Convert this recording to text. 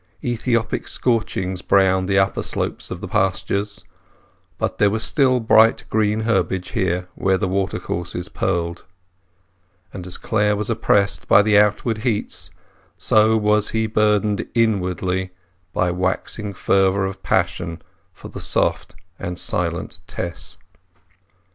Ethiopic scorchings browned the upper slopes of the pastures, but there was still bright green herbage here where the watercourses purled. And as Clare was oppressed by the outward heats, so was he burdened inwardly by waxing fervour of passion for the soft and silent Tess.